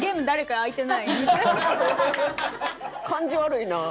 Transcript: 感じ悪いなあ。